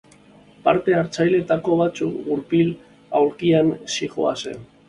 Parte-hartzaileetako batzuk gurpil-aulkian zihoazen.